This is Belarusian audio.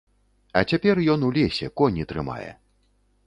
А цяпер ён у лесе, коні трымае.